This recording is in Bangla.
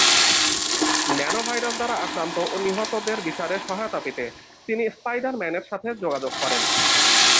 ন্যানো ভাইরাস দ্বারা আক্রান্ত ও নিহতদের বিচারে সহায়তা পেতে তিনি স্পাইডার ম্যানের সাথে যোগাযোগ করেন।